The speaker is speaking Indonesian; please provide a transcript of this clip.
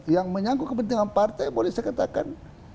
yang menyangkut kepentingan partai boleh saya katakan